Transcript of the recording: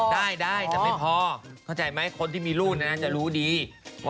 ได้ไหมก็บอกพอไม่ได้นะ